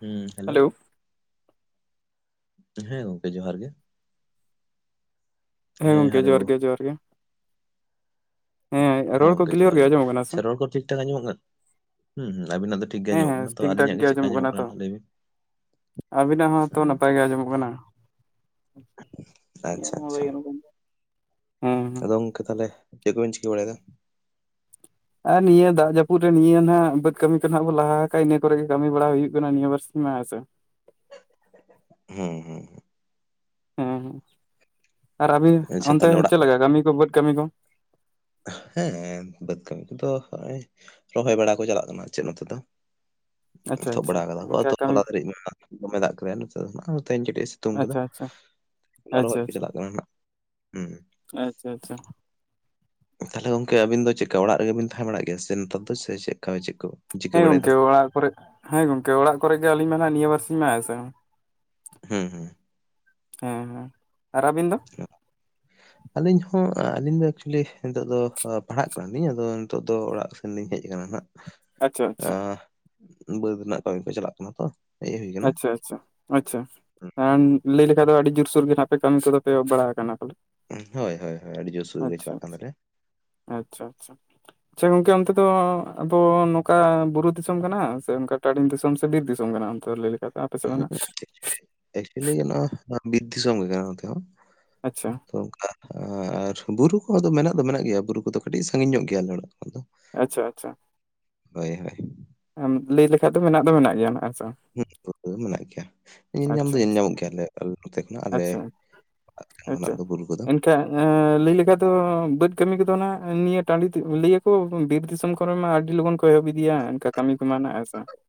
ᱦᱩᱸ ᱦᱮᱞᱳ ᱦᱮᱸ ᱜᱚᱝᱠᱮ ᱡᱚᱦᱟᱨ ᱜᱮ᱾ ᱦᱮᱸ ᱜᱚᱝᱠᱮ ᱡᱚᱦᱟᱨ ᱜᱮ ᱡᱚᱦᱟᱨ ᱜᱮ᱾ ᱦᱮᱸ ᱨᱚᱲ ᱠᱚ ᱜᱚᱝᱠᱮ ᱠᱞᱤᱭᱟᱨ ᱡᱚᱦᱟᱨ ᱜᱮ, ᱟᱸᱡᱚᱢᱚᱜ ᱠᱟᱱᱟ ᱥᱮ ᱪᱷᱟ ᱨᱚᱲ ᱠᱚ ᱴᱷᱤᱠ ᱴᱷᱟᱠ ᱟᱸᱡᱚᱢᱚᱜ ᱠᱟᱱᱟ? ᱦᱩᱸ ᱦᱩᱸ ᱟᱵᱤᱱᱟᱜ ᱫᱚ ᱴᱷᱤᱠ ᱜᱮ ᱦᱮᱸ ᱟᱸᱡᱚᱢᱚᱜ ᱦᱮᱸ ᱠᱟᱱᱟ, ᱛᱚ ᱴᱷᱤᱠ ᱴᱷᱟᱠ ᱟᱹᱞᱤᱧᱟᱜ ᱜᱮ ᱪᱮᱜᱠᱟ ᱟᱸᱡᱚᱢᱚᱜ ᱛᱚ ᱠᱟᱱᱟ ᱞᱟᱹᱭ ᱵᱤᱱ? ᱟᱵᱤᱱᱟᱜ ᱦᱚᱸ ᱛᱚ ᱦᱩᱸ ᱱᱟᱯᱟᱭ ᱜᱮ ᱟᱸᱡᱚᱢᱚᱜ ᱠᱟᱱᱟ ᱟᱪᱪᱷᱟ ᱟᱪᱪᱷᱟ [unintelligible] ᱦᱮᱸ ᱟᱫᱚ ᱜᱚᱝᱠᱮ ᱛᱟᱞᱦᱮ ᱪᱮᱫ ᱠᱚᱵᱤᱱ ᱪᱤᱠᱟᱹ ᱵᱟᱲᱟᱭᱫᱟ? ᱟᱨ ᱱᱤᱭᱟᱹ ᱫᱟᱜ ᱡᱟᱹᱯᱩᱫ ᱨᱮ ᱱᱤᱭᱟᱹ ᱱᱟᱜ ᱵᱟᱹᱫᱽ ᱠᱟᱹᱢᱤ ᱠᱚ ᱱᱟᱜ ᱵᱚ ᱞᱟᱦᱟ ᱠᱟᱜᱟ ᱤᱱᱟᱹ ᱠᱚᱨᱮ ᱜᱮ ᱠᱟᱹᱢᱤ ᱵᱟᱲᱟ ᱦᱩᱭᱩᱜ ᱠᱟᱱᱟ ᱱᱤᱭᱟᱹ ᱵᱟᱨᱥᱤᱧ ᱢᱟ ᱦᱮᱸ ᱥᱮ᱾ ᱦᱩᱸ ᱦᱩᱸ ᱦᱩᱸ ᱦᱩᱸ ᱟᱨ ᱟᱹᱵᱤᱱ ᱟᱪᱪᱷᱟ ᱚᱱᱛᱮ ᱛᱟᱦᱚᱞᱮ ᱚᱲᱟᱜ ᱪᱮᱫ ᱞᱮᱠᱟ ᱠᱟᱹᱢᱤ ᱠᱚ ᱵᱟᱹᱫᱽ ᱠᱟᱹᱢᱤ ᱠᱚ? ᱦᱮᱸ ᱵᱟᱹᱫᱽ ᱠᱟᱹᱢᱤ ᱠᱚᱛᱚ ᱦᱚᱜᱚᱭ ᱨᱚᱦᱚᱭ ᱵᱟᱲᱟ ᱠᱚ ᱪᱟᱞᱟᱜ ᱠᱟᱱᱟ, ᱪᱮᱫ ᱱᱚᱛᱮ ᱫᱚ ᱟᱪᱪᱷᱟ ᱮᱛᱦᱚᱵ ᱟᱪᱪᱷᱟ ᱵᱟᱲᱟ ᱠᱟᱫᱟ ᱠᱚ ᱚᱱᱠᱟ ᱟᱫᱚ ᱠᱟᱹᱢᱤ ᱦᱚᱞᱟ ᱫᱷᱟᱹᱨᱤᱡ ᱢᱟ ᱫᱚᱢᱮ ᱫᱟᱜ ᱠᱮᱫᱟᱭᱟ ᱱᱚᱛᱮ ᱫᱚ ᱱᱟᱜ, ᱛᱮᱦᱮᱧ ᱠᱟᱴᱤᱡᱮ ᱥᱤᱛᱩᱝ ᱠᱟᱫᱟ᱾ ᱟᱪᱪᱷᱟ ᱟᱪᱪᱷᱟ ᱚᱱᱟ ᱟᱪᱪᱷᱟ ᱨᱚᱦᱚᱭ ᱠᱚ ᱟᱪᱪᱷᱟ ᱪᱟᱞᱟᱜ ᱠᱟᱱᱟ ᱱᱟᱜ ᱦᱩᱸ᱾ ᱟᱪᱪᱷᱟ ᱟᱪᱪᱷᱟ ᱛᱟᱞᱦᱮ ᱜᱚᱝᱠᱮ ᱟᱹᱵᱤᱱ ᱫᱚ ᱪᱮᱫᱠᱟ ᱚᱲᱟᱜ ᱨᱮᱜᱮ ᱵᱤᱱ ᱛᱟᱦᱮᱸ ᱵᱟᱲᱟᱜ ᱜᱮᱭᱟ ᱥᱮ ᱱᱮᱛᱟᱨ ᱫᱚ, ᱥᱮ ᱪᱮᱫᱠᱟ ᱪᱮᱫ ᱠᱚ ᱪᱤᱠᱟᱹ ᱦᱮᱸ ᱵᱟᱲᱟᱭᱮᱫᱟ ᱜᱚᱝᱠᱮ ᱚᱲᱟᱜ ᱠᱚᱨᱮ ᱦᱮᱸ ᱜᱚᱝᱠᱮ ᱚᱲᱟᱜ ᱠᱚᱨᱮᱜ ᱜᱮ ᱟᱹᱞᱤᱧ ᱢᱟ ᱱᱟᱜ ᱱᱤᱭᱟᱹ ᱵᱟᱨ ᱥᱤᱧ ᱢᱟ ᱦᱮᱸᱥᱮ᱾ ᱦᱩᱸ ᱦᱩᱸ ᱦᱮᱸ ᱦᱮᱸ ᱟᱨ ᱟᱹᱵᱤᱱ ᱫᱚ? [inaudible] ᱟᱹᱞᱤᱧ ᱦᱚᱸ ᱟᱹᱞᱤᱧ ᱫᱚ ᱮᱠᱪᱩᱭᱞᱤ ᱱᱤᱛᱳᱜ ᱫᱚ ᱯᱟᱲᱦᱟᱜ ᱠᱟᱱᱟᱞᱤᱧ ᱟᱫᱚ ᱱᱤᱛᱳᱜ ᱫᱚ ᱚᱲᱟᱜ [unintelligible] ᱦᱮᱡ ᱠᱟᱱᱟ ᱱᱟᱜ᱾ ᱟᱪᱪᱷᱟ ᱟᱪᱪᱷᱟ ᱵᱟᱹᱫᱽ ᱨᱮᱱᱟᱜ ᱠᱟᱹᱢᱤ ᱠᱚ ᱪᱟᱞᱟᱜ ᱠᱟᱱᱟ ᱛᱚ᱾ ᱦᱮᱡ ᱦᱩᱭ ᱟᱠᱟᱱᱟ ᱟᱪᱪᱷᱟ ᱟᱪᱪᱷᱟ ᱟᱪᱪᱷᱟ ᱞᱟᱹᱭ ᱞᱮᱠᱷᱟᱡ ᱫᱚ ᱟᱹᱰᱤ ᱡᱳᱨᱥᱳᱨ ᱜᱮ ᱱᱦᱟᱸᱜ ᱯᱮ ᱠᱟᱹᱢᱤ ᱠᱚᱫᱚ ᱯᱮ ᱮᱦᱚᱵ ᱵᱟᱲᱟᱮ ᱠᱟᱱᱟ ᱯᱟ ᱦᱳᱭ ᱦᱳᱭ ᱦᱳᱭ ᱟᱹᱰᱤ ᱡᱳᱨ ᱥᱳᱨ ᱨᱮ ᱜᱮ ᱪᱟᱞᱟᱜ ᱠᱟᱱ ᱛᱟᱞᱮᱭᱟ᱾ ᱟᱪᱪᱷᱟ ᱟᱪᱷᱟ [inaudible] ᱪᱷᱟ ᱜᱚᱝᱠᱮ ᱚᱱᱛᱮ ᱫᱚ ᱟᱵᱚ ᱱᱚᱠᱟ ᱵᱩᱨᱩ ᱫᱤᱥᱚᱢ ᱠᱟᱱᱟ ᱥᱮ ᱚᱱᱠᱟ ᱴᱟᱲᱤᱝ ᱫᱤᱥᱚᱢ ᱥᱮ ᱵᱤᱨ ᱫᱤᱥᱚᱢ ᱠᱟᱱᱟ? [unintelligible] ᱮᱠᱪᱩᱭᱞᱤ ᱵᱤᱨ ᱫᱤᱥᱚᱢ ᱜᱮ ᱠᱟᱱᱟ ᱱᱚᱛᱮ ᱦᱚᱸ᱾ ᱟᱪᱪᱷᱟ ᱛᱚ ᱚᱝᱠᱟ ᱟᱨ ᱵᱩᱨᱩ ᱠᱚᱦᱚ ᱫᱚ ᱢᱮᱱᱟᱜ ᱫᱚ ᱢᱮᱱᱟᱜ ᱜᱮᱭᱟ ᱵᱩᱨᱩ ᱠᱚᱫᱚ ᱠᱟᱹᱴᱤᱡ ᱥᱟᱺᱜᱤᱧ ᱧᱚᱜ ᱜᱮᱭᱟ ᱟᱞᱮ ᱚᱲᱟᱜ ᱠᱷᱚᱱᱟᱜ ᱫᱚ᱾ ᱟᱪᱪᱷᱟ ᱟᱪᱪᱷᱟ ᱦᱳᱭ ᱦᱳᱭ ᱮᱢ ᱞᱟᱹᱭ ᱞᱮᱠᱷᱟᱡ ᱫᱚ ᱢᱮᱱᱟᱜ ᱫᱚ ᱢᱮᱱᱟᱜ ᱜᱮᱭᱟ ᱱᱦᱟᱸᱜ ᱥᱮ ᱦᱩᱸ ᱫᱚ ᱢᱮᱱᱟᱜ ᱜᱮᱭᱟ᱾ ᱧᱮᱞ ᱧᱟᱢ ᱫᱚ ᱟᱪᱪᱷᱟ ᱧᱮᱞ ᱧᱟᱢᱚᱜ ᱜᱮᱭᱟ ᱟᱞᱮ ᱱᱚᱛᱮ ᱠᱷᱚᱱᱟᱜ ᱟᱞᱮ ᱟᱪᱪᱷᱟ ᱚᱲᱟᱜ ᱠᱷᱚᱱᱟᱜ ᱫᱚ ᱵᱩᱨᱩ ᱠᱚᱫᱚ᱾ ᱠᱟ ᱮᱸ ᱞᱟᱹᱭ ᱞᱮᱠᱷᱟᱡ ᱫᱚ ᱵᱟᱹᱫᱽ ᱠᱟᱹᱢᱤ ᱠᱚᱫᱚ ᱱᱦᱟᱸᱜ ᱱᱤᱭᱟᱹ ᱴᱟᱺᱰᱤ ᱞᱟᱹᱭᱟ ᱠᱚ ᱵᱤᱨ ᱫᱤᱥᱚᱢ ᱠᱚ ᱠᱚᱨᱮ ᱢᱟ ᱟᱹᱰᱤ ᱞᱚᱜᱚᱱ ᱠᱚ ᱮᱦᱚᱵ ᱤᱫᱤᱭᱟ ᱠᱟᱹᱢᱤ ᱠᱚᱢᱟ ᱱᱦᱟᱜ [inaudible]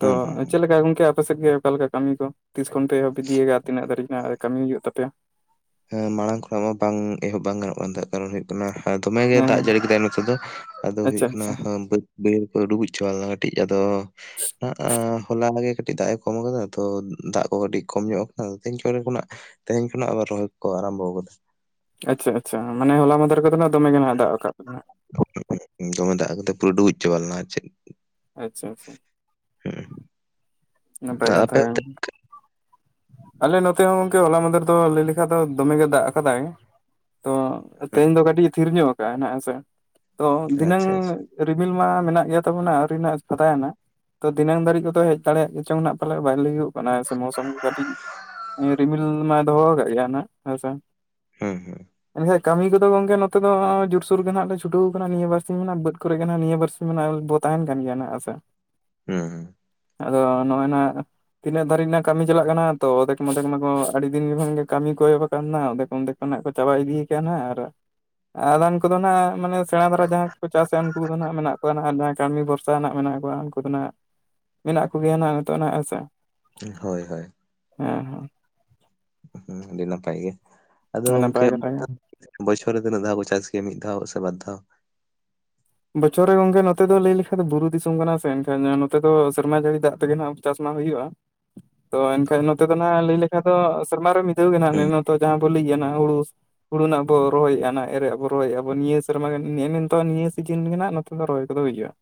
ᱛᱚ ᱦᱩᱸ ᱦᱩᱸ ᱦᱩᱸ ᱪᱮᱫ ᱞᱮᱠᱟ ᱜᱚᱝᱠᱮ ᱟᱯᱮ ᱥᱮᱫ ᱜᱮ ᱚᱠᱟ ᱞᱮᱠᱟ? ᱠᱟᱹᱢᱤ ᱠᱚ ᱛᱤᱥ ᱠᱷᱚᱱ ᱯᱮ ᱮᱦᱚᱵ ᱤᱫᱤᱭᱟ ᱠᱟᱜ-ᱟ ᱛᱤᱱᱟᱹᱜ ᱫᱟᱹᱨᱤᱡ ᱱᱦᱟᱜ ᱠᱟᱹᱢᱤ ᱦᱩᱭᱩᱜ ᱛᱟᱯᱮᱭᱟ? ᱦᱮᱸ ᱢᱟᱲᱟᱝ ᱠᱷᱚᱱᱟᱜ ᱢᱟ ᱵᱟᱝ ᱮᱦᱚᱵ ᱵᱟᱝ ᱜᱟᱱᱚᱜ ᱠᱟᱱ ᱛᱮ ᱠᱟᱨᱚᱱ ᱦᱩᱭᱩᱜ ᱠᱟᱱᱟ ᱫᱚᱢᱮ ᱜᱮᱭ ᱦᱮᱸ ᱫᱟᱜ ᱦᱮᱸ ᱡᱟᱹᱲᱤ ᱠᱮᱫᱟᱭ ᱱᱚᱛᱮ ᱫᱚ ᱟᱫᱚ ᱟᱪᱪᱷᱟ ᱦᱩᱭᱩᱜ ᱠᱟᱱᱟ ᱟᱪᱪᱷᱟ ᱵᱟᱹᱫᱽ ᱵᱟᱹᱭᱦᱟᱲ ᱠᱚ ᱰᱩᱵᱩᱡ ᱪᱟᱵᱟ ᱞᱮᱱᱟ ᱠᱟᱹᱴᱤᱡ ᱟᱫᱚ ᱱᱟᱜ-ᱟ ᱦᱚᱞᱟ ᱱᱟᱜᱮ ᱠᱟᱹᱴᱤᱡ ᱫᱟᱜ ᱮ ᱠᱚᱢ ᱠᱟᱫᱟ ᱛᱚ ᱫᱟᱜ ᱠᱚ ᱠᱟᱹᱴᱤᱡ ᱠᱚᱢ ᱧᱚᱜ ᱠᱟᱱᱟ ᱛᱮᱦᱮᱧᱱ ᱠᱚᱨᱮ ᱠᱷᱚᱱᱟᱜ ᱛᱮᱦᱮᱧ ᱠᱷᱚᱱᱟᱜ ᱟᱵᱟᱨ ᱨᱚᱦᱚᱭ ᱠᱚ ᱠᱚ ᱟᱨᱟᱢᱵᱚᱣ ᱠᱟᱫᱟ᱾ ᱟᱪᱪᱷᱟ ᱟᱪᱪᱷᱟ ᱢᱟᱱ ᱦᱚᱞᱟ ᱢᱟᱫᱷᱮᱨ ᱠᱚᱫᱚ ᱱᱟᱜ ᱫᱚᱢᱮ ᱜᱮᱱᱟᱜ ᱫᱟᱜ ᱟᱠᱟᱫ ᱵᱚᱱᱟ᱾ ᱫᱚᱢᱮ ᱫᱟᱜ ᱠᱟᱫᱟᱭ ᱯᱩᱨᱟᱹ ᱰᱩᱵᱩᱡ ᱪᱟᱵᱟ ᱞᱮᱱᱟ ᱪᱮᱫ ᱟᱪᱪᱷᱟ ᱟᱪᱪᱷᱟ ᱦᱩᱸ ᱱᱟᱯᱟᱭ ᱠᱟᱛᱷᱟ ᱟᱯᱮ ᱠᱟᱱ ᱚᱱᱛᱮ ᱟᱞᱮ ᱱᱚᱛᱮ ᱦᱚᱸ ᱜᱚᱝᱠᱮ ᱦᱚᱞᱟ ᱢᱟᱫᱷᱮᱨ ᱫᱚ ᱞᱟᱹᱭ ᱞᱮᱠᱷᱟᱡ ᱫᱚ ᱫᱚᱢᱮ ᱜᱮ ᱫᱟᱜ ᱟᱠᱟᱫᱟᱭ, ᱛᱚ ᱛᱮᱦᱮᱧ ᱫᱚ ᱠᱟᱹᱴᱤᱡ ᱮ ᱛᱷᱤᱨ ᱧᱚᱜ ᱠᱟᱜ ᱟᱭ ᱱᱦᱟᱜ ᱦᱮᱸᱥᱮ ᱛᱚ ᱫᱷᱤᱱᱟᱹᱝ ᱟᱪᱪᱷᱟ ᱟᱪᱪᱷᱟ ᱨᱤᱢᱤᱞ ᱢᱟ ᱢᱮᱱᱟᱜ ᱜᱮᱭᱟ ᱛᱟᱵᱚᱱᱟ ᱟᱹᱣᱨᱤ ᱱᱟᱜ ᱮ ᱯᱷᱟᱠᱟᱭ ᱱᱟᱜ ᱛᱚ ᱫᱤᱱᱟᱹᱝ ᱫᱷᱟᱹᱨᱤᱡ ᱵᱚᱫᱷᱚᱭ ᱦᱮᱡ ᱫᱟᱲᱮᱭᱟᱜ ᱜᱮ ᱪᱚᱝᱱᱟᱜ ᱯᱟᱞᱮᱜ ᱵᱟᱭ ᱞᱟᱹᱭᱟᱹᱜᱚᱜ ᱠᱟᱱᱟ ᱥᱮ ᱢᱳᱥᱚᱢ ᱠᱚ ᱠᱟᱹᱴᱤᱡ ᱨᱤᱢᱤᱞ ᱢᱟᱭ ᱫᱚᱦᱚᱣ ᱥᱠᱟᱜ ᱜᱮᱭᱟ ᱱᱦᱟᱜ ᱦᱩᱸ ᱦᱩᱸ ᱦᱮᱸᱥᱮ ᱠᱟᱹᱢᱤ ᱠᱚᱫᱚ ᱜᱚᱝᱠᱮ ᱱᱚᱛᱮ ᱫᱚ ᱱᱚᱜ-ᱚᱭ ᱡᱳᱨᱥᱳᱨ ᱜᱮ ᱱᱦᱟᱜ ᱞᱮ ᱪᱷᱩᱴᱟᱹᱣ ᱠᱟᱱᱟ ᱱᱤᱭᱟᱹ ᱵᱟᱨᱥᱤᱧ ᱢᱟᱱᱟᱜ ᱵᱟᱹᱫ ᱠᱚᱨᱮ ᱜᱮ ᱱᱦᱟᱜ ᱱᱤᱭᱟᱹ ᱵᱟᱨᱥ ᱢᱟᱱᱮ ᱟ ᱵᱚ ᱛᱟᱦᱮᱱ ᱠᱟᱱ ᱜᱮᱭᱟ ᱱᱟᱜ ᱦᱮᱸᱥᱮ ᱦᱩᱸ ᱟᱫᱚ ᱱᱚᱜ-ᱚᱭ ᱱᱟᱜ ᱛᱤᱱᱟᱹᱜ ᱫᱷᱟᱨᱤᱡ ᱨᱮᱱᱟᱜ ᱠᱟᱹᱢᱤ ᱪᱟᱞᱟᱜ ᱠᱟᱱᱟ ᱛᱚ ᱟᱫᱷᱮᱠ ᱚᱫᱷᱮᱠ ᱢᱟᱠᱚ ᱟᱹᱰᱤ ᱫᱤᱱ ᱠᱷᱚᱱ ᱜᱮ ᱠᱟᱹᱢᱤ ᱠᱚ ᱮᱦᱚᱵ ᱟᱠᱟᱱᱟ ᱚᱫᱷᱮᱠᱚ ᱚᱱᱫᱷᱮ ᱠᱟᱱᱟᱜ ᱠᱚ ᱪᱟᱵᱟ ᱤᱫᱤᱭ ᱠᱟᱜ-ᱟ ᱱᱦᱟᱜ ᱟᱨ ᱟᱫᱷᱟᱱ ᱠᱚᱫᱚ ᱱᱦᱟᱜ ᱢᱟᱱᱮ ᱥᱮᱬᱟ ᱫᱷᱟᱨᱟ ᱡᱟᱦᱟᱸ ᱠᱚ ᱠᱚ ᱪᱟᱥ ᱮᱜ ᱟ ᱩᱱᱠᱩ ᱫᱚ ᱱᱦᱟᱜ ᱢᱮᱱᱟᱜ ᱠᱚᱣᱟ ᱱᱦᱟᱜ ᱡᱟᱦᱟᱸᱭ ᱠᱟᱹᱢᱤ ᱵᱷᱚᱨᱥ ᱪᱟᱭ ᱱᱟᱜ ᱢᱮᱱᱟᱜ ᱠᱚᱣᱟ ᱩᱱᱠᱩ ᱫᱚ ᱱᱦᱟᱜ ᱢᱮᱱᱟᱜ ᱠᱚᱜᱮᱭᱟ ᱱᱦᱟᱜ ᱱᱤᱛᱳᱜ ᱱᱟᱜ ᱦᱮᱸᱥᱮ, ᱦᱳᱭ ᱦᱳᱭ ᱦᱮᱸ ᱦᱩᱸ ᱦᱚᱸ ᱟᱹᱰᱤ ᱱᱟᱯᱟᱭ ᱜᱮ ᱟᱫᱚ ᱦᱮᱸ ᱜᱚᱢᱠᱮ ᱱᱟᱯᱟᱭ ᱠᱟᱛᱷᱟ ᱩᱱᱠᱩ ᱜᱮ ᱫᱼᱼ ᱵᱚᱪᱷᱚᱨ ᱨᱮ ᱛᱤᱱᱟᱹᱜ ᱫᱷᱟᱣ ᱠᱚ ᱪᱟᱥ ᱜᱮᱭᱟ ᱢᱤᱫ ᱫᱷᱟᱣ ᱥᱮ ᱵᱟᱨ ᱫᱷᱟᱣ? ᱵᱚᱪᱷᱚᱨ ᱨᱮ ᱜᱚᱝᱠᱮ ᱱᱚᱛᱮ ᱞᱟᱹᱭ ᱞᱮᱠᱟᱱ ᱫᱚ ᱵᱩᱨᱩ ᱫᱤᱥᱚᱢ ᱠᱟᱱᱟ ᱥᱮ ᱮᱱᱠᱷᱟᱱ ᱱᱚᱛᱮ ᱫᱚ ᱥᱮᱨᱢᱟ ᱡᱟᱹᱲᱤ ᱫᱟᱜ ᱛᱮᱜᱮ ᱱᱟᱜᱼᱼ ᱪᱟᱥ ᱢᱟ ᱦᱩᱭᱩᱜᱼᱟ ᱛᱚ ᱮᱱᱠᱷᱟᱱ ᱱᱚᱛᱮ ᱫᱚ ᱱᱟᱜ ᱞᱟᱹᱭ ᱞᱮᱠᱷᱟᱱ ᱫᱚ ᱥᱮᱨᱢ ᱨᱮ ᱢᱤᱼᱼ ᱫᱷᱟᱹᱣ ᱜᱮ ᱱᱟᱜ ᱦᱩᱸ ᱱᱚᱣᱚ ᱡᱟᱦᱟᱸ ᱵᱚ ᱞᱟᱹᱭ ᱮᱜᱼᱟ ᱡᱟᱦᱚᱸ ᱫᱚ ᱦᱩᱲᱩᱥᱼᱼ ᱦᱩᱲᱩᱱᱟᱜ ᱵᱚ ᱨᱚᱦᱚᱭᱮᱫᱼᱟ ᱚᱱᱟ ᱮᱨᱮᱜᱼᱟ ᱵᱚ ᱨᱚᱦᱚᱭᱮᱫᱟ ᱵᱚ ᱱᱤᱭᱟᱹ ᱥᱮᱨᱢᱟ ᱱᱮᱜᱼᱮ ᱱᱤᱱᱛᱚᱜ ᱱᱤᱭᱟᱹᱼᱼ ᱥᱤᱡᱤᱱ ᱜᱮ ᱱᱟᱜ ᱱᱚᱛᱮ ᱫᱚ ᱨᱚᱦᱚᱭ ᱠᱚᱫᱚ ᱦᱩᱭᱩᱜᱼᱟ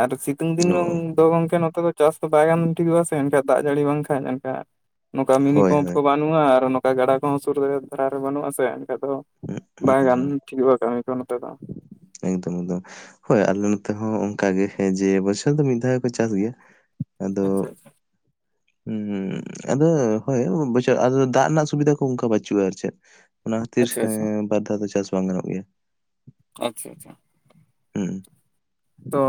ᱟᱨ ᱥᱤᱛᱩᱝ ᱫᱤᱱ ᱚ ᱫᱚ ᱜᱚᱝᱠᱮ ᱱᱚᱛᱮ ᱫᱚᱼᱼ ᱪᱟᱥ ᱫᱚ ᱵᱟᱭ ᱜᱟᱱ ᱴᱷᱤᱠᱚᱜᱼ ᱟ ᱥᱮ ᱮᱱᱠᱷᱟᱢ ᱫᱟᱜ ᱡᱟᱹᱲᱤ ᱵᱟᱝᱠᱷᱟᱱ ᱮᱱ ᱠᱷᱟᱢ ᱱᱚᱝᱠᱟ ᱢᱤᱱᱤ ᱦᱳᱭ ᱯᱟᱢᱯ ᱦᱳᱭ ᱠᱚ ᱵᱟᱝᱼᱼ ᱵᱟᱹᱱᱩᱜᱼᱟ ᱟᱨ ᱱᱚᱝᱠᱟ ᱜᱟᱰᱟ ᱠᱚᱦᱚᱸ ᱥᱩᱨ ᱫᱷᱟᱨᱟ ᱨᱮ ᱵᱟᱹᱱᱩᱜᱼᱟ ᱥᱮ ᱮᱱᱠᱷᱟ ᱫᱚ ᱦᱩᱸ ᱦᱩᱸ ᱵᱟᱭ ᱦᱩᱸ ᱜᱟᱱᱼᱼ ᱴᱷᱤᱠ ᱠᱟᱹᱢᱤ ᱠᱚ ᱱᱚᱛᱮ ᱫᱚᱼᱼ ᱮᱠᱫᱚᱢᱼ ᱮᱠᱫᱚᱢ ᱦᱳᱭ ᱟᱞᱮ ᱱᱚᱛᱮ ᱦᱚᱸ ᱚᱱᱠᱟᱜ ᱜᱮ ᱡᱮ ᱵᱚᱪᱷᱚᱨ ᱫᱚ ᱢᱤᱫ ᱫᱷᱟᱣ ᱜᱮᱠᱚ ᱪᱟᱥ ᱜᱮᱭᱟ᱾ ᱟᱫᱚᱼᱼ ᱟᱪᱪᱷᱟ ᱦᱩᱸ ᱟᱫᱚ ᱦᱳᱭ ᱵᱪᱷᱚᱨ ᱫᱟᱜ ᱨᱮᱱᱟᱜ ᱥᱩᱵᱤᱫᱷᱟ ᱠᱚ ᱚᱱᱠᱟ ᱵᱟᱹᱪᱩᱜᱼᱟ ᱟᱨ ᱪᱮᱫ? ᱚᱱᱟ ᱠᱷᱟᱹᱛᱤᱨ ᱟᱪᱪᱷᱟ ᱟᱪᱪᱷᱟ ᱟᱪᱪᱷᱟ ᱵᱟᱨ ᱫᱷᱟᱣ ᱫᱚ ᱪᱟᱥ ᱵᱟᱝ ᱜᱟᱱᱚᱜ ᱜᱮᱭᱟ᱾ ᱟᱪᱪᱷᱟ ᱟᱪᱪᱷᱟᱼᱼ ᱦᱩᱸ ᱛᱚ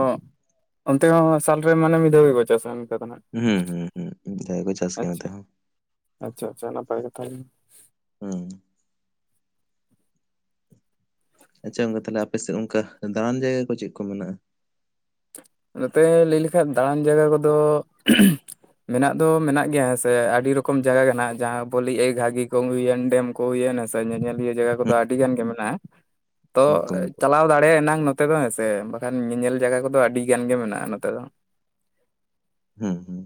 ᱚᱱᱛᱮ ᱦᱚᱸ ᱥᱟᱞᱨᱮ ᱢᱟᱱᱮ ᱢᱤᱫ ᱫᱷᱷᱟᱣ ᱜᱮᱠᱚ ᱪᱟᱥᱟ ᱚᱱᱠᱟ ᱫᱚ ᱱᱟᱦᱟᱜᱼᱼ ᱦᱩᱸ ᱦᱩᱸ ᱦᱩᱸ ᱚᱱᱠᱟ ᱜᱮᱠᱚ ᱪᱟᱥ ᱜᱮᱭᱟ ᱱᱚᱛᱮ ᱦᱚᱸᱼᱼ ᱟᱪᱪᱷᱟ ᱟᱪᱪᱷᱟ ᱱᱟᱯᱟᱭ ᱜᱮ ᱛᱟᱦᱞᱮ᱾ ᱦᱩᱸ ᱟᱪᱪᱷᱟ ᱜᱚᱢᱠᱮ ᱛᱟᱞᱮ ᱟᱯᱼᱼ ᱥᱮᱜ ᱚᱱᱠᱟ ᱫᱟᱬᱟᱱ ᱡᱟᱭᱜᱟ ᱠᱚ ᱪᱮᱫ ᱠᱚ ᱢᱮᱱᱟᱜᱼᱟ? ᱱᱚᱛᱮ ᱞᱟᱹᱭ ᱞᱮᱠᱷᱟᱡ ᱫᱟᱬᱟᱱ ᱡᱟᱭᱜᱟ ᱠᱚᱫᱚᱼᱼ ᱢᱮᱱᱟᱜ ᱫᱚ ᱢᱮᱱᱟᱜ ᱜᱮᱭᱟ ᱦᱮᱸ ᱥᱮ ᱟᱹᱰᱤ ᱨᱚᱠᱚᱢ ᱡᱟᱭᱜᱟ ᱠᱟᱱᱟ ᱡᱟᱦᱟᱸ ᱵᱚ ᱞᱟᱹᱭ ᱮᱜᱼᱟ ᱜᱷᱟᱜᱤ ᱠᱚ ᱜᱩᱭᱮᱱ ᱰᱮᱢᱼᱼ ᱦᱩᱭᱮᱱ ᱦᱮᱸᱥᱮ ᱧᱮᱧᱮᱞᱤᱭᱟᱹ ᱡᱟᱭᱜᱟ ᱠᱚᱫᱚ ᱦᱩᱸ ᱟᱹᱰᱤ ᱜᱟᱱ ᱜᱮ ᱢᱮᱱᱟᱜᱼᱟ᱾ [inaudible] ᱛᱚ ᱮᱠᱫᱚᱢ ᱪᱟᱞᱟᱣ ᱫᱟᱲᱮᱭᱟᱜ ᱮᱱᱟᱝ ᱱᱚᱛᱮ ᱫᱚ ᱦᱮᱸᱥᱮ ᱵᱟᱠᱷᱟᱱ ᱧᱮᱧᱮᱞ ᱡᱟᱭᱜᱟ ᱠᱚᱫᱚ ᱟᱹᱰᱤ ᱜᱟᱱ ᱜᱮ ᱢᱮᱱᱟᱜᱼᱟ ᱱᱚᱛᱮ ᱫᱚ᱾ ᱦᱩᱢᱸ ᱦᱩᱢᱸ᱾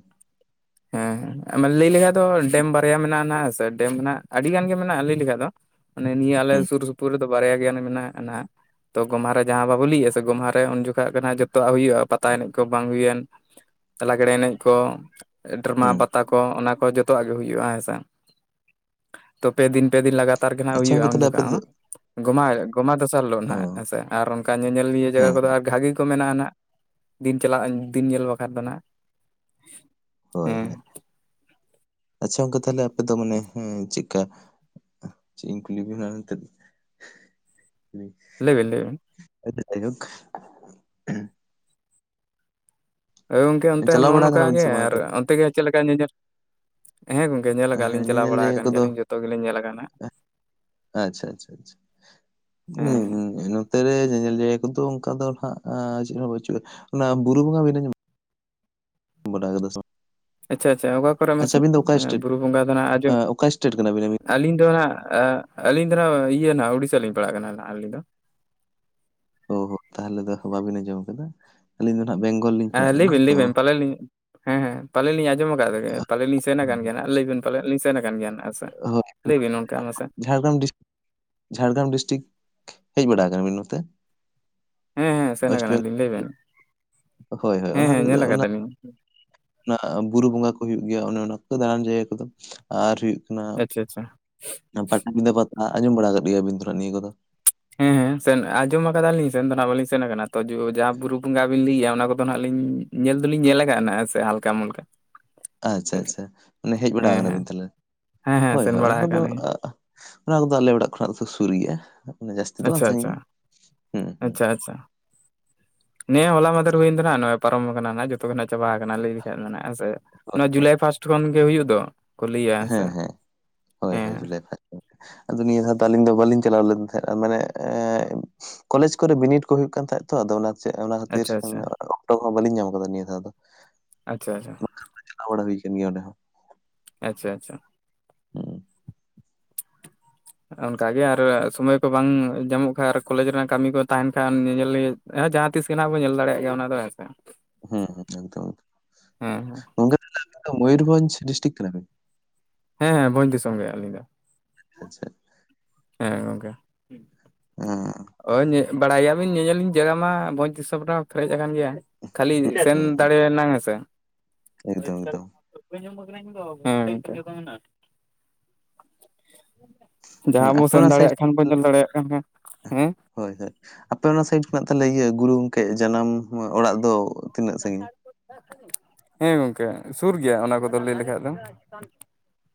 ᱦᱮᱸ ᱦᱮᱸ ᱞᱟᱹᱭ ᱞᱮᱠᱷᱟᱡ ᱫᱚ ᱰᱮᱢ ᱵᱟᱨᱭᱟ ᱢᱮᱱᱟᱜᱼᱟ ᱱᱟ ᱥᱮ ᱰᱮᱢ ᱱᱟᱜ ᱟᱹᱰᱤ ᱜᱟᱱ ᱜᱮ ᱢᱮᱱᱟᱜᱼᱟ ᱞᱟᱹᱭ ᱞᱮᱠᱷᱟᱡ ᱫᱚᱼᱼ ᱢᱟᱱᱮ ᱱᱤᱭᱟᱹ ᱟᱞᱮ ᱦᱩᱸ ᱥᱩᱨ ᱥᱩᱯᱩᱨᱼᱼ ᱫᱚ ᱵᱟᱨᱭᱟ ᱜᱮᱭᱟᱱ ᱢᱮᱱᱟᱜᱼᱟ ᱱᱟᱟᱜ ᱛᱚ ᱜᱚᱢᱦᱟ ᱡᱟᱦᱟᱸ ᱵᱟᱵᱚ ᱞᱤᱭᱼᱟ ᱥᱮ ᱜᱚᱢᱦᱟ ᱨᱮ ᱩᱱ ᱡᱚᱠᱷᱚᱱ ᱜᱮᱟᱜ ᱡᱚᱛᱚᱣᱟᱜ ᱦᱩᱭᱩᱜᱼᱟ᱾ ᱯᱟᱛᱟ ᱮᱱᱮᱡ ᱠᱚ ᱵᱟᱝ ᱦᱩᱭᱮᱱ ᱞᱟᱜᱽᱲᱮ ᱮᱱᱮᱡ ᱠᱚ ᱰᱨᱟᱢᱟ ᱦᱩᱸ ᱯᱟᱛᱟ ᱠᱚ ᱚᱱᱟ ᱠᱚ ᱡᱚᱛᱚᱣᱟᱜ ᱜᱮ ᱦᱩᱭᱩᱜᱼᱟ ᱦᱮᱸᱥᱮ ᱛᱚ ᱯᱮ ᱫᱤᱱ ᱯᱮ ᱫᱤᱱ ᱞᱟᱜᱟᱼᱼ ᱞᱟᱨᱜᱟᱱᱟᱜ ᱟᱪᱪᱷᱟ ᱚᱱᱠᱟ ᱦᱩᱭᱩᱜᱼᱟ ᱩᱱ ᱛᱟᱦᱞᱮ ᱟᱯᱮ ᱡᱚᱠᱷᱟᱡ ᱫᱚ ᱦᱚᱸ ᱜᱚᱢᱟ ᱜᱚᱢᱟ ᱫᱚᱥᱟᱨ ᱦᱤᱞᱳᱜ ᱚ ᱦᱦᱜ ᱦᱮᱸᱥᱮ ᱟᱨ ᱚᱱᱠᱟ ᱧᱮᱧᱮᱞᱤᱭᱟᱹ ᱡᱟᱭᱜᱟ ᱦᱮᱸ ᱠᱚᱫᱚ ᱟᱨ ᱵᱷᱟᱹᱜᱤ ᱠᱚ ᱢᱮᱱᱟᱜᱼᱟ ᱱᱟᱟᱸᱜ᱾ ᱫᱤᱱ ᱪᱟᱞᱟᱜ ᱫᱤᱱ ᱧᱮᱞ ᱵᱟᱠᱷᱟᱱ ᱫᱚ ᱱᱟᱦᱟᱜᱼᱼ ᱦᱳᱭ ᱦᱳᱭ ᱟᱪᱪᱷᱟ ᱜᱚᱝᱠᱮ ᱛᱟᱦᱳᱞᱮ ᱟᱯᱮ ᱫᱚ ᱢᱟᱱᱮ ᱦᱮᱸ ᱪᱮᱫᱠᱟ? ᱪᱮᱫ ᱤᱧ ᱠᱩᱞᱤ ᱵᱤᱱᱟ ᱮᱱᱛᱮᱜᱼᱼ ᱞᱟᱹᱭ ᱵᱤᱱ ᱞᱟᱹᱭ ᱵᱤᱱ? ᱜ [unintelligible] ᱦᱳᱭ ᱜᱚᱝᱠᱮ ᱚᱱᱛᱮ ᱪᱟᱞᱟᱣ ᱱᱚᱜᱼᱚ ᱵᱟᱲᱟ ᱠᱟᱱᱟ ᱱᱚᱝᱠᱟ ᱵᱤᱱ ᱜᱮ ᱥᱮ ᱵᱟᱝ? ᱟᱨ ᱚᱱᱛᱮ ᱜᱮ ᱪᱮᱫ ᱞᱮᱠᱟ ᱧᱮᱧᱮᱞᱼᱼ ᱦᱮᱸ ᱜᱚᱝᱠᱮ ᱧᱮᱞ ᱟᱠᱟᱫ ᱦᱮᱸ ᱞᱤᱧ ᱪᱟᱞᱟ ᱧᱮᱧᱮᱞ ᱵᱟᱲᱟ ᱡᱟᱭᱜᱟ ᱟᱠᱟᱱ ᱠᱚᱫᱚ ᱜᱮᱭᱟᱞᱤᱧ ᱡᱚᱛᱚ ᱜᱮᱞᱤᱧ ᱧᱮᱞ ᱜᱟᱜᱼᱟ᱾ ᱟᱪᱪᱷᱟ ᱟᱪᱪᱷᱟ ᱟᱪᱪᱷᱟ ᱦᱮᱸ ᱦᱩᱸᱼᱼ ᱚᱱᱛᱮ ᱨᱮ ᱧᱮᱧᱮᱞ ᱡᱟᱭᱜᱟ ᱠᱤᱱᱛᱩ ᱚᱱᱠᱟ ᱫᱚ ᱦ ᱪᱮᱫ ᱦᱚᱸ ᱵᱟᱹᱪᱩᱜᱼᱟ ᱚᱱᱟ ᱵᱩᱨᱩ ᱵᱚᱸᱜᱟ ᱵᱤᱱᱹ ᱧᱮᱞᱼᱼ ᱵᱟᱰᱟᱭ ᱠᱟᱫᱟ ᱥᱮ ᱵᱟᱝ? ᱟᱪᱪᱷᱟ ᱟᱪᱪᱷᱟ ᱚᱠᱟ ᱠᱚᱨᱮ ᱟᱪᱪᱷᱟ ᱢᱟᱥᱮ, ᱟᱹᱵᱤᱱ ᱫᱚ ᱚᱠᱟ ᱥᱴᱮᱴ ᱵᱩᱨᱩ ᱵᱚᱸᱜᱟ ᱫᱚ ᱢᱮᱱᱟᱜ ᱟᱡᱚᱼᱼ ᱚᱠᱟ ᱥᱴᱮᱴ ᱠᱟᱱᱟ ᱵᱤᱱ ᱟᱹᱵᱤᱱ? ᱟᱹᱞᱤᱧ ᱫᱚ ᱦᱟᱸᱜ ᱟᱹ ᱟᱹᱞᱤᱧ ᱫᱚ ᱦᱟᱸᱜ ᱤᱭᱟᱹ ᱱᱟᱦᱟᱜ ᱩᱲᱤᱥᱥᱟ ᱞᱤᱧ ᱯᱟᱲᱟᱜ ᱠᱟᱱᱟ ᱟᱹᱞᱤᱧ ᱫᱚ ᱾ ᱚ ᱦᱚ ᱛᱟᱦᱚᱞᱮ ᱫᱚ ᱵᱟᱹᱵᱤᱱ ᱟᱸᱡᱚᱢ ᱟᱠᱟᱫᱟ, ᱟᱹᱞᱤᱧ ᱫᱚ ᱦᱟᱸᱜ ᱵᱮᱝᱜᱚᱞ ᱞᱤᱧ ᱯᱟᱲᱦᱟᱜ ᱠᱟᱱᱟ ᱛᱚ ᱾ ᱛᱟᱦᱚᱞᱮ ᱞᱤᱧᱼᱼ ᱦᱮᱸ ᱦᱮᱸ ᱯᱟᱞᱮ ᱞᱤᱧ ᱟᱸᱡᱚᱢ ᱠᱟᱜ, ᱯᱟᱞᱮ ᱞᱤᱧ ᱥᱮᱱ ᱟᱠᱟᱱ ᱜᱮᱭᱟ ᱦᱟᱸᱜ, ᱞᱟᱹᱭ ᱵᱤᱱ ᱯᱟᱞᱮᱫ ᱞᱤᱧ ᱥᱮᱱ ᱟᱠᱟᱱ ᱜᱮᱭᱟ ᱦᱟᱸᱜ ᱦᱮᱸ ᱥᱮ ᱾ ᱟᱪᱪᱷᱟ ᱾ ᱦᱳᱭ ᱞᱟᱹᱭ ᱵᱤᱱ ᱚᱱᱠᱟ ᱢᱟᱥᱮ ᱾ ᱡᱷᱟᱲᱜᱨᱟᱢ ᱰᱤᱥᱴᱤᱠ ᱡᱷᱟᱲᱜᱨᱟᱢ ᱰᱤᱥᱴᱤᱠ ᱦᱮᱡ ᱵᱟᱲᱟ ᱟᱠᱟᱱᱟᱵᱤᱱ ᱱᱚᱛᱮ? ᱦᱮᱸ ᱦᱮᱸ ᱥᱮᱱ ᱳᱭᱮᱥᱴ ᱵᱮᱝᱜᱚᱞ ᱟᱠᱟᱱᱟᱞᱤᱧ ᱞᱟᱹᱭ ᱵᱮᱱ, ᱦᱳᱭ ᱦᱳᱭ ᱦᱮᱸ ᱚᱱᱟ ᱦᱮᱸ ᱧᱮᱞ ᱠᱟᱫᱟᱞᱤᱧ ᱾ ᱚᱱᱟ ᱵᱩᱨᱩ ᱵᱚᱸᱜᱟ ᱠᱚ ᱦᱩᱭᱩᱜ ᱜᱮᱭᱟ, ᱚᱱᱮ ᱚᱱᱟ ᱠᱚ ᱫᱟᱬᱟᱱ ᱡᱟᱭᱜᱟ ᱠᱚᱫᱚ ᱟᱨ ᱦᱩᱭᱩᱜᱼᱼ ᱠᱟᱱᱟ, ᱟᱪᱪᱷᱟ ᱟᱪᱪᱷᱟ ᱯᱟᱴᱟᱵᱤᱸᱫᱷᱟᱹ ᱯᱟᱛᱟ ᱟᱸᱡᱚᱢ ᱵᱟᱲᱟ ᱟᱠᱟᱫ ᱜᱮᱭᱟᱵᱤᱱ ᱛᱷᱚᱲᱟ ᱱᱤᱭᱟᱹ ᱠᱚᱫᱚ ᱾ ᱦᱮᱸ ᱦᱮᱸ ᱥᱮᱱ ᱟᱸᱡᱚᱢ ᱟᱠᱟᱫᱟᱞᱤᱧ ᱥᱮᱱ ᱫᱚ ᱱᱟᱜ ᱵᱟᱹᱞᱤᱧ ᱥᱮᱱ ᱠᱟᱱᱟ ᱛᱚ, ᱡᱟᱦᱟᱸ ᱵᱩᱨᱩ ᱵᱚᱸᱜᱟ ᱵᱤᱱ ᱞᱟᱹᱭᱮᱫᱼᱟ ᱚᱱᱟ ᱠᱚᱫᱚ ᱦᱟᱸᱜ ᱞᱤᱧᱼᱼ ᱧᱮᱞ ᱫᱚᱞᱤᱧ ᱧᱮᱞ ᱟᱠᱟ ᱱᱟᱜ ᱦᱮ ᱥᱮ ᱦᱟᱞᱠᱟᱼ ᱢᱟᱞᱠᱟ ᱾ ᱟᱪᱪᱷᱟ ᱟᱪᱪᱷᱟ, ᱢᱟᱱᱮ ᱦᱮᱡ ᱵᱟᱲᱟ ᱠᱟᱱᱟ ᱦᱮᱸ ᱵᱤᱱ ᱛᱟᱦᱞᱮ, ᱦᱮᱸ ᱦᱮᱸ ᱦᱳᱭ ᱥᱮᱱ ᱦᱳᱭ ᱵᱟᱲᱟ ᱚᱱᱟ ᱠᱚᱫᱚ ᱟᱠᱟᱱᱟᱞᱤᱧ ᱟᱹᱼᱼ ᱚᱱᱟ ᱠᱚᱫᱚ ᱟᱞᱮ ᱚᱲᱟᱜ ᱠᱷᱚᱱᱟᱜ ᱫᱚ ᱥᱩᱨ ᱜᱮᱭᱟ ᱾ ᱟᱪᱪᱷᱟ ᱟᱪᱪᱷᱟ, ᱦᱩᱸ ᱟᱪᱪᱷᱟ ᱟᱪᱪᱷᱟ ᱾ ᱱᱤᱭᱟᱸ ᱦᱚᱞᱟ ᱢᱟᱦᱫᱮᱨ ᱜᱮ ᱦᱩᱭ ᱠᱟᱱᱟ, ᱱᱚᱜᱼᱚᱭ ᱯᱟᱨᱚᱢ ᱟᱠᱟᱱᱟ ᱚᱱᱟ ᱜᱮ ᱾ ᱡᱚᱛᱚ ᱠᱷᱚᱱᱟᱜ ᱪᱟᱵᱟ ᱟᱠᱟᱱᱟ ᱞᱟᱹᱭ ᱞᱮᱠᱷᱷᱟᱡ ᱢᱟ ᱦᱮᱸ ᱥᱮ, ᱦᱳᱭ ᱱᱚᱣᱟ ᱦᱳᱭ ᱡᱩᱞᱟᱭ ᱯᱷᱟᱥᱴ ᱠᱷᱚᱱ ᱜᱮ ᱦᱩᱭᱩᱜ ᱫᱚ ᱾ ᱠᱩᱞᱤᱭᱟᱹ ᱦᱮᱸ ᱥᱮ, ᱦᱳᱭ ᱦᱳᱭ ᱦᱮᱸᱼᱼ ᱡᱩᱞᱟᱭ ᱯᱷᱟᱥᱴ ᱨᱮ᱾ ᱟᱫᱚ ᱱᱤᱭᱟᱹ ᱫᱷᱟᱣ ᱫᱚ ᱟᱹᱞᱤᱧ ᱫᱚ ᱵᱟᱞᱤᱧ ᱪᱟᱞᱟᱣ ᱞᱮᱱ ᱛᱟᱦᱮᱸᱫ ᱟᱨ ᱢᱟᱱᱮ ᱮᱸᱼᱼ ᱠᱚᱞᱮᱡᱽ ᱠᱚᱨᱮ ᱵᱤᱱᱤᱰ ᱠᱚ ᱦᱩᱭᱩᱜ ᱠᱟᱱ ᱛᱟᱦᱮᱸᱫ ᱛᱚ ᱟᱫᱚ ᱚᱱᱟᱼᱼ ᱪᱮᱫ ᱚᱱᱟ ᱠᱷᱟᱹᱛᱤᱨ ᱟᱪᱪᱷᱟ ᱟᱪᱪᱷᱟ ᱚᱠᱴᱚ ᱦᱚᱸ ᱵᱟᱹᱞᱤᱧ ᱧᱟᱢ ᱠᱟᱫᱟ ᱱᱤᱭᱟᱹ ᱫᱷᱟᱣ ᱫᱚ ᱾ ᱟᱪᱪᱷᱟ ᱟᱪᱪᱷᱟ ᱾ [unintelligible] ᱪ ᱟᱞᱟ ᱵᱟᱲᱟᱶ ᱦᱩᱭ ᱠᱟᱱ ᱜᱮᱭᱟ ᱚᱸᱰᱮ ᱦᱚᱸ ᱾ ᱟᱪᱪᱷᱟ ᱟᱪᱪᱷᱟ ᱾ ᱦᱩᱸ [inaudible] ᱚᱱᱠᱟᱜᱮ ᱟᱨ ᱥᱚᱢᱚᱭ ᱠᱚ ᱵᱟᱝ ᱧᱟᱢᱚᱜ ᱠᱷᱟᱱ ᱟᱨ ᱠᱚᱞᱮᱡᱽ ᱨᱮᱱᱟᱜ ᱠᱟᱹᱢᱤ ᱠᱚ ᱛᱟᱸᱦᱮᱱ ᱠᱷᱟᱱ ᱧᱮᱧᱮᱞ ᱞᱟᱹᱜᱤᱫᱼᱼ ᱦᱮᱸ ᱡᱟᱦᱟᱸ ᱛᱤᱥ ᱜᱮᱦᱟᱸᱜ ᱵᱚᱱ ᱧᱮᱞ ᱫᱟᱲᱮᱭᱟᱜ ᱜᱮᱭᱟ ᱚᱱᱟ ᱫᱚ ᱾ ᱦᱩᱸ ᱦᱩᱸ ᱚᱝᱠᱟ ᱜᱮ ᱦᱮᱸ ᱾ ᱜᱚᱝᱠᱮ ᱛᱟᱦᱚᱞᱮ ᱟᱯᱮᱫᱚ ᱢᱩᱭᱩᱨᱵᱷᱚᱸᱡᱽ ᱰᱤᱥᱴᱤᱠ ᱠᱟᱱᱟᱯᱮ? ᱦᱮᱸ ᱦᱮᱸ ᱵᱷᱚᱸᱡᱽ ᱫᱤᱥᱚᱢ ᱜᱮ ᱟᱹᱞᱤᱧ ᱫᱚ ᱾ ᱟᱪᱪᱷᱟ ᱾ ᱦᱮᱸ ᱜᱚᱝᱠᱮ, ᱦᱮᱸ ᱚᱭ ᱧᱮᱜ [unintelligible] ᱵᱟᱲᱟᱭᱟ ᱟᱹ ᱧᱮᱧᱮᱞᱤᱧ ᱡᱟᱭᱜᱟ ᱢᱟ ᱵᱷᱚᱸᱡᱽ ᱫᱤᱥᱚᱢ ᱨᱮᱦᱚᱸ ᱯᱮᱨᱮᱡ ᱟᱠᱟᱱ ᱜᱮᱭᱟ, ᱠᱷᱟᱹᱞᱤ ᱥᱮᱱ ᱦᱩᱸ ᱫᱟᱲᱮᱭ ᱱᱟᱝ ᱦᱮᱸᱥᱮ ᱾ [unintelligible] ᱢ ᱮᱠᱫᱚᱢ ᱮᱠᱫᱚᱢ ᱜ [unintelligible] ᱦᱩᱸ ᱡᱟᱦᱟᱸ ᱵᱚ ᱟᱯᱮ ᱚᱱᱟ ᱥᱮᱱ ᱥᱟᱭᱤᱰ ᱫᱟᱲᱮᱭᱟᱜ ᱠᱷᱟᱱ ᱵᱚᱱ ᱧᱮᱞ ᱫᱟᱲᱮᱭᱟᱜ ᱠᱟᱱ, ᱦᱮᱸᱼᱼ ᱦᱳᱭ ᱦᱳᱭ, ᱟᱯᱮ ᱚᱱᱟ ᱥᱟᱭᱤᱰ ᱢᱮᱱᱟᱜ ᱛᱟᱞᱮ ᱤᱭᱟᱹ ᱜᱩᱨᱩ ᱜᱚᱢᱠᱮ ᱡᱟᱱᱟᱢ ᱚᱲᱟᱜ ᱫᱚᱼᱼ ᱦᱮᱸ ᱜᱚᱢᱠᱮ ᱥᱩᱨ ᱜᱮᱭᱟ ᱚᱱᱟ ᱠᱚᱫᱚ ᱞᱟᱹᱭ ᱞᱮᱠᱷᱟᱡ ᱫᱚ ᱾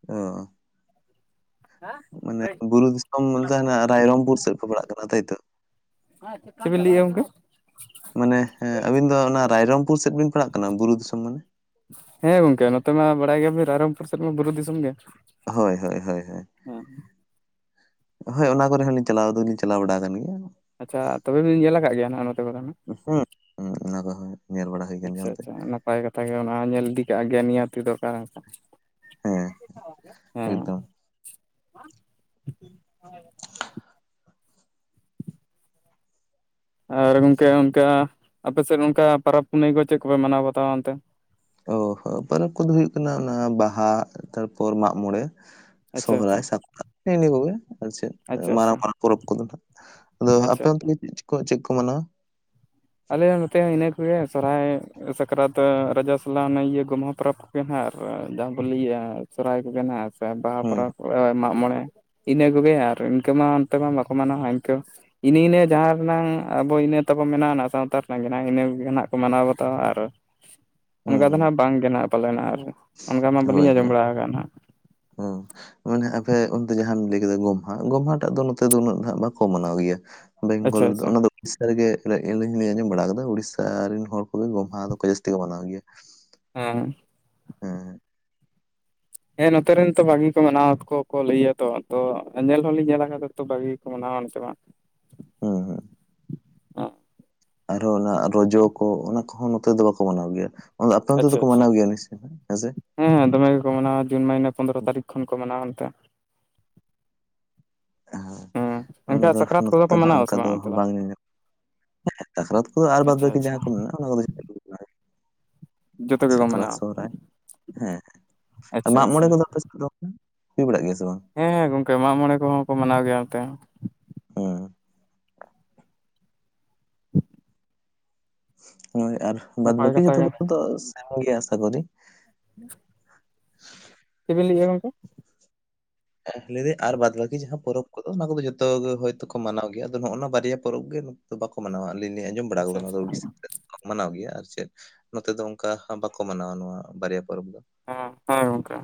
ᱚ ᱾ ᱦᱮᱸ ᱾ ᱢᱟᱱᱮ ᱵᱩᱨᱩ ᱫᱤᱥᱚᱢ ᱛᱟᱸᱦᱮᱱᱟ ᱨᱟᱭᱨᱚᱢᱯᱩᱨ ᱥᱮᱫ ᱠᱚ ᱯᱟᱲᱟᱜ ᱠᱟᱱᱟ ᱛᱟᱭᱛᱚ ᱾ ᱪᱮᱫ [unintelligible] ᱵᱤᱱ ᱞᱟᱹᱭ ᱮᱫᱟ ᱜᱚᱝᱠᱮ? ᱢᱟᱱᱮᱸ ᱮᱸ ᱟᱵᱤᱱ ᱫᱚ ᱚᱱᱟ ᱨᱟᱭᱨᱚᱢᱯᱩᱨ ᱥᱮᱫ ᱵᱤᱱ ᱯᱟᱲᱟᱜ ᱠᱟᱱᱟ ᱵᱩᱨᱩ ᱫᱤᱥᱚᱢ ᱢᱟᱱᱮ ᱾ ᱦᱮᱸ ᱜᱚᱝᱠᱮ, ᱱᱚᱛᱮ ᱢᱟ ᱵᱟᱲᱟᱭ ᱜᱮᱭᱟ ᱵᱤᱱ ᱨᱟᱭᱨᱚᱝᱯᱩᱨ ᱥᱮᱫ ᱢᱟ ᱵᱩᱨᱩ ᱫᱤᱥᱚᱢ ᱜᱮ ᱾ ᱦᱳᱭ ᱦᱳᱭ ᱦᱳᱭ ᱾ ᱦᱮᱸ ᱚᱱᱟ ᱠᱚᱨᱮ ᱦᱚᱸ ᱞᱤᱧ ᱪᱟᱞᱟᱣ ᱫᱚ ᱞᱤᱧ ᱪᱟᱞᱟᱣ ᱵᱟᱲᱟ ᱟᱠᱟᱱ ᱜᱮᱭᱟ ᱾ ᱟᱪᱪᱷᱟ ᱛᱚᱵᱮ ᱵᱤᱱ ᱧᱮᱞ ᱠᱟᱫ ᱜᱮᱭᱟ ᱦᱟᱜ ᱱᱚᱛᱮ ᱠᱚᱫᱚ ᱦᱟᱸᱜ᱾ ᱦᱚᱸ ᱚᱱᱟ ᱠᱚᱦᱚᱸ ᱧᱮᱞ ᱵᱟᱲᱟ ᱦᱩᱭ ᱟᱠᱟᱱ ᱜᱮᱭᱟ ᱟᱪᱪᱷᱟ ᱚᱱᱛᱮ᱾ ᱟᱪᱪᱷᱟ ᱱᱟᱯᱟᱭ ᱠᱟᱛᱷᱟ ᱜᱮ ᱚᱱᱟ ᱦᱚᱸ ᱧᱮᱞ ᱤᱫᱤ ᱠᱟᱜ ᱜᱮ ᱱᱤᱦᱟᱹᱛᱤ ᱫᱚᱨᱠᱟᱨᱟ᱾ ᱦᱮᱸ ᱦᱩᱸ᱾ ᱮᱠᱫᱚᱢ ᱟᱨ ᱜᱚᱢᱠᱮ ᱚᱱᱠᱟ ᱟᱯᱮ ᱥᱮᱫ ᱚᱱᱠᱟ ᱯᱟᱨᱚᱵᱽ ᱯᱩᱱᱟᱹᱭ ᱠᱚ ᱪᱮᱫ ᱠᱚᱯᱮ ᱢᱟᱱᱟᱣ ᱵᱟᱛᱟᱣᱟ ᱚᱱᱛᱮ? ᱚ ᱯᱚᱨᱚᱵᱽ ᱠᱚᱫᱚ ᱦᱩᱭᱩᱜ ᱠᱟᱱᱟ ᱚᱱᱟ ᱵᱟᱦᱟ ᱛᱟᱨᱯᱚᱨᱮ ᱢᱟᱜ ᱢᱚᱬᱮ᱾ ᱟᱪᱪᱷᱟ ᱟᱪᱪᱷᱟ ᱥᱚᱦᱚᱨᱟᱭ ᱥᱟᱠᱨᱟᱛ ᱱᱮᱜᱱᱤᱭᱟᱹ ᱠᱚᱜᱮ᱾ ᱟᱨ ᱪᱮᱫ ᱢᱟᱨᱟᱝ ᱟᱪᱪᱷᱟ ᱢᱟᱨᱟᱝ ᱯᱚᱨᱚᱵᱽ ᱠᱚᱫᱚ ᱱᱟᱦᱟᱜ ᱟᱫᱚ ᱟᱯᱮ ᱟᱪᱪᱷᱟ ᱚᱱᱛᱮ ᱜᱮ ᱪᱮᱫ ᱠᱚ ᱪᱮᱫ ᱠᱚ ᱢᱟᱱᱟᱣᱟ᱾ ᱟᱞᱮ ᱱᱚᱛᱮ ᱦᱚᱸ ᱤᱱᱟᱹ ᱠᱚ ᱜᱮ ᱥᱚᱦᱨᱟᱭ᱾ ᱥᱟᱠᱨᱟᱛ ᱨᱟᱡᱟᱥᱟᱞᱟ ᱚᱱᱮ ᱤᱭᱟᱹ ᱜᱚᱢᱦᱟ ᱯᱚᱨᱚᱵᱽ ᱠᱚᱜᱮ ᱦᱟᱸᱜ ᱟᱨ ᱡᱟᱦᱟᱸ ᱵᱚᱱ ᱞᱟᱹᱭᱟ ᱥᱚᱦᱨᱟᱭ ᱠᱚᱜᱮ ᱦᱟᱜ᱾ ᱵᱟᱦᱟ ᱦᱩᱸ ᱯᱚᱨᱚᱵᱽ ᱢᱟᱜ ᱢᱚᱬᱮ ᱤᱱᱟᱹ ᱠᱚᱜᱮ ᱟᱨ ᱤᱱᱠᱟᱹ ᱢᱟ ᱚᱱᱛᱮ ᱢᱟ ᱵᱟᱠᱚ ᱢᱟᱱᱟᱣᱟ ᱤᱱᱠᱟᱹ᱾ ᱤᱱᱟᱹ ᱤᱱᱟᱹ ᱡᱟᱦᱟᱸ ᱨᱮᱱᱟᱝ ᱟᱵᱚ ᱤᱱᱟᱹ ᱛᱟᱵᱚ ᱢᱮᱱᱟ, ᱥᱟᱶᱛᱟ ᱨᱮᱱᱟᱜ ᱜᱮ ᱱᱟᱦᱟᱜ ᱤᱱᱟᱹ ᱠᱚᱜᱮ ᱱᱟᱦᱟᱜ ᱠᱚ ᱢᱟᱱᱟᱣ ᱵᱟᱛᱟᱣᱟ ᱟᱨ ᱚᱱᱠᱟ ᱫᱚ ᱦᱩᱸ ᱱᱟᱦᱟᱜ ᱵᱟᱝ ᱜᱮ? ᱱᱟᱦᱟᱜ ᱯᱟᱞᱮᱱ ᱟᱨ ᱚᱱᱠᱟ ᱢᱟ ᱵᱟᱹᱞᱤᱧ ᱟᱸᱡᱚᱢ ᱵᱟᱲᱟ ᱠᱟᱫᱟ ᱦᱟᱸᱜ᱾ ᱦᱚᱸ, ᱢᱟᱱᱮ ᱟᱯᱮ ᱚᱱᱛᱮ ᱡᱟᱦᱟᱸᱢ ᱞᱟᱹᱭ ᱠᱮᱫᱟ ᱜᱚᱢᱦᱟ ᱜᱚᱢᱦᱟ ᱴᱟᱜ ᱫᱚ ᱱᱚᱛᱮ ᱫᱚ ᱩᱱᱟᱹᱜ ᱫᱚ ᱦᱟᱸᱜ ᱵᱟᱠᱚ ᱢᱟᱱᱟᱣ ᱜᱮᱭᱟ᱾ ᱵᱮᱝᱜᱚᱞ ᱟᱪᱪᱷᱟ ᱨᱮᱫᱚ ᱟᱪᱪᱷᱟ ᱚᱱᱟ ᱫᱚ, ᱩᱲᱤᱥᱥᱟ ᱨᱮᱜᱮ ᱟᱞᱤᱧ ᱦᱚᱸᱞᱤᱧ ᱟᱸᱡᱚᱢ ᱵᱟᱲᱟ ᱠᱟᱫᱟ ᱩᱲᱤᱥᱥᱟ ᱨᱮᱱ ᱦᱚᱲ ᱠᱚᱜᱮ ᱜᱚᱢᱦᱟ ᱫᱚᱠᱚ ᱡᱟᱹᱥᱛᱤ ᱠᱚ ᱢᱟᱱᱟᱣ ᱜᱮᱭᱟ᱾ ᱦᱮᱸ, ᱦᱮᱸ ᱦᱮᱸ ᱱᱚᱛᱮ ᱨᱮᱱ ᱛᱚ ᱵᱷᱟᱹᱜᱤ ᱠᱚ ᱢᱟᱱᱟᱣᱟ ᱠᱚ ᱠᱚ ᱞᱟᱹᱭᱟᱛᱚ ᱠᱚ ᱧᱮᱞ ᱦᱚᱸᱞᱤᱧ ᱧᱮᱞ ᱠᱟᱫᱟ᱾ ᱛᱚ ᱵᱷᱟᱹᱜᱤ ᱜᱮᱠᱚ ᱢᱟᱱᱟᱣᱟ ᱚᱱᱛᱮ ᱢᱟ᱾ ᱦᱩᱸ ᱦᱩᱸ, ᱟᱨᱦᱚᱸ ᱚᱱᱟ ᱨᱚᱡᱚ ᱠᱚ ᱚᱱᱟ ᱠᱚᱦᱚᱸ ᱱᱚᱛᱮ ᱫᱚ ᱵᱟᱠᱚ ᱢᱟᱱᱟᱣ ᱜᱮᱭᱟ᱾ ᱟᱯᱮ ᱚᱱᱚᱛᱮ ᱟᱪᱪᱷᱟ ᱫᱚᱠᱚ ᱟᱪᱪᱷᱟ ᱢᱟᱱᱟᱣ ᱜᱮᱭᱟ ᱦᱮᱸᱥᱮ? ᱦᱮᱸ ᱦᱮᱸ ᱫᱚᱢᱮ ᱜᱮᱠᱚ ᱢᱟᱱᱟᱣᱟ ᱡᱩᱱ ᱢᱟᱹᱦᱤᱱᱟᱹ ᱯᱚᱱᱫᱽᱨᱚ ᱛᱟᱹᱨᱤᱠ ᱠᱷᱚᱱ ᱠᱚ ᱢᱟᱱᱟᱣᱟ ᱚᱱᱛᱮ᱾ ᱦᱮᱸ ᱦᱮᱸ ᱮᱱᱠᱷᱟᱱ ᱥᱟᱠᱨᱟᱛ ᱠᱚᱫᱚ ᱱᱚᱛᱮ ᱠᱚ ᱫᱚ ᱢᱟᱱᱟᱣᱟ ᱥᱮ ᱚᱱᱠᱟ ᱫᱚ ᱚᱱᱛᱮ ᱵᱟᱝ ᱧᱮᱞᱚᱜ, ᱦᱮᱸ ᱥᱟᱠᱨᱟᱛ ᱠᱚ ᱟᱨ ᱵᱟᱫ ᱟᱪᱪᱷᱟ ᱵᱟᱹᱠᱤ ᱟᱪᱪᱷᱟ ᱡᱟᱦᱟᱸ ᱠᱚ ᱢᱮᱱᱟᱜᱼᱟ ᱚᱱᱟ ᱠᱚᱫᱚ, ᱡᱚᱛᱚ ᱜᱮᱠᱚ ᱥᱟᱠᱨᱟᱛ ᱢᱟᱱᱟᱣᱟ ᱥᱚᱦᱨᱟᱭ ᱦᱮᱸ ᱟᱨ ᱟᱪᱪᱷᱟ ᱢᱟᱜᱢᱚᱬᱮ ᱟᱪᱪᱷᱟ ᱫᱚ ᱟᱯᱮ ᱦᱩᱭ ᱵᱟᱲᱟᱜ ᱜᱮᱭᱟ ᱥᱮ ᱵᱟᱝ? ᱦᱮᱸ ᱜᱚᱝᱠᱮ ᱢᱟᱜ ᱢᱚᱬᱮ ᱠᱚᱦᱚᱸ ᱠᱚ ᱢᱟᱱᱟᱣ ᱜᱮᱭᱟ ᱱᱛᱮ ᱦᱚᱸ, ᱦᱮᱸ, ᱦᱳᱭ ᱟᱨ ᱵᱟᱫᱽ ᱱᱟᱯᱟᱭ ᱵᱟᱹᱠᱤ ᱠᱟᱛᱷᱟ ᱡᱚᱛᱚ ᱜᱮ ᱠᱚ ᱥᱮᱢ ᱜᱮ ᱟᱥᱟ ᱠᱚᱨᱤ? ᱪᱮᱫ ᱵᱮᱱ ᱞᱟᱹᱭᱮᱫᱟ ᱜᱚᱝᱠᱮ? ᱞᱟᱹᱭ ᱮᱫᱟᱧ ᱟᱨ ᱵᱟᱫᱽ ᱵᱟᱹᱠᱤ ᱡᱟᱦᱟᱸ ᱯᱚᱨᱚᱵᱽ ᱠᱚᱫᱚ ᱚᱱᱟ ᱠᱚᱫᱚ ᱡᱚᱛᱚ ᱜᱮ ᱦᱚᱭᱛᱳᱠᱚ ᱢᱟᱱᱟᱣ ᱜᱮᱭᱟ ᱟᱫᱚ ᱱᱚᱜᱼᱚᱭ ᱱᱚᱣᱟ ᱵᱟᱨᱭᱟ ᱯᱚᱨᱚᱵᱽ ᱜᱮ, ᱫᱚ ᱵᱟᱠᱚ ᱢᱟᱱᱟᱣᱟ ᱟᱹᱞᱤᱧ ᱞᱤᱧ ᱟᱸᱡᱚᱢ ᱵᱟᱲᱟ ᱟᱪᱪᱷᱟ ᱟᱠᱟᱫᱟ ᱱᱚᱣᱟ ᱟᱪᱪᱷᱟ ᱫᱚ ᱩᱲᱤᱥᱟ ᱥᱮᱫ ᱢᱟᱱᱟᱣ ᱜᱮᱭᱟ ᱟᱨ ᱪᱮᱫ ᱱᱚᱛᱮ ᱫᱚ ᱚᱱᱠᱟ ᱵᱟᱠᱚ ᱢᱟᱱᱟᱣᱟ ᱱᱚᱣᱟ ᱵᱟᱨᱭᱟ ᱯᱚᱨᱚᱵᱽ ᱫᱚ᱾ ᱦᱮᱸ ᱦᱮᱸ ᱜᱚᱝᱠᱮ᱾